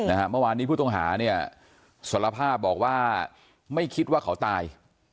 เมื่อวานนี้ผู้ต้องหาเนี่ยสารภาพบอกว่าไม่คิดว่าเขาตาย